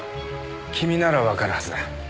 君ならわかるはずだ。